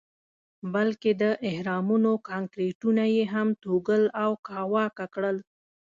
بلکې د اهرامونو کانکریټونه یې هم توږل او کاواکه کړل.